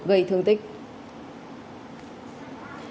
gây thương tích